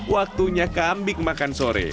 waktunya kambing makan sore